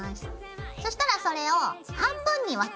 そしたらそれを半分に分けます。